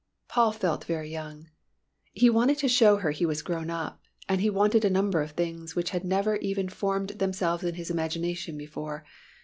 Paul felt very young. He wanted to show her he was grown up, and he wanted a number of things which had never even formed themselves in his imagination before.